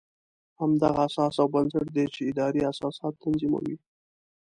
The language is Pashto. همدغه اساس او بنسټ دی چې ادارې اساسات تنظیموي.